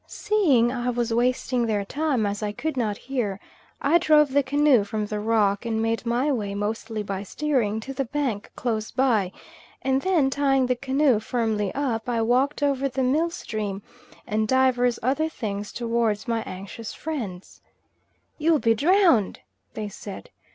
Seeing I was wasting their time as I could not hear, I drove the canoe from the rock and made my way, mostly by steering, to the bank close by; and then tying the canoe firmly up I walked over the mill stream and divers other things towards my anxious friends. "You'll be drowned," they said.